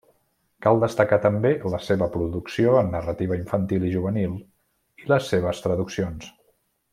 Cal destacar també la seva producció en narrativa infantil i juvenil i les seves traduccions.